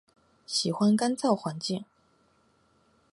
喜欢干燥环境。